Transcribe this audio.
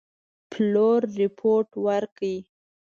پلور رپوټ ورکړ.